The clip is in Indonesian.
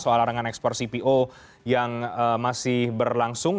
soal larangan ekspor cpo yang masih berlangsung